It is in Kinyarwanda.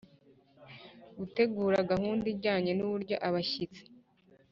Gutegura gahunda ijyanye n uburyo abashyitsi